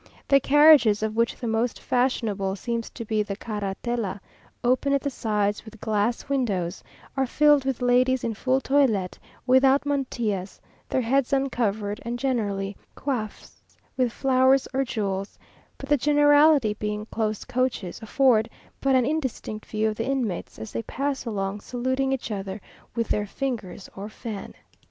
The carriages, of which the most fashionable seems to be the carratela, open at the sides, with glass windows, are filled with ladies in full toilet, without mantillas, their heads uncovered, and, generally, coiffees with flowers or jewels; but the generality being close coaches, afford but an indistinct view of the inmates, as they pass along saluting each other with their fingers or fan.